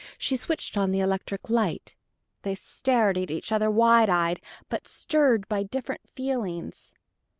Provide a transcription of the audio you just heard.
She switched on the electric light. They stared at each other wide eyed but stirred by different feelings.